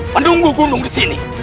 pendunggu gunung di sini